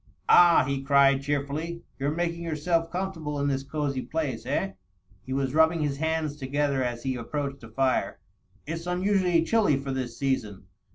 "Ah," he cried cheerfully, "you're making yourself comfortable in this cosey place, eh ?" He was rubbing his hands together as he approached the fire. "It's unusually chilly for this season.